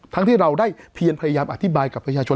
ที่เราได้เพียรพยายามอธิบายกับประชาชน